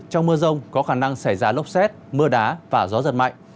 trong mưa rông có khả năng xảy ra lốc xét mưa đá và gió giật mạnh